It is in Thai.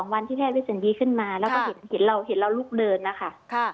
๒วันที่แพทย์วิสันยีขึ้นมาแล้วก็เห็นเรารุกเดินนะคะ